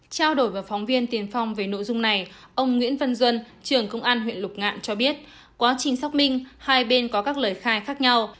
trao đổi với phóng viên tiền phong về nội dung này ông nguyễn văn duân trưởng công an huyện lục ngạn cho biết quá trình xác minh hai bên có các lời khai khác nhau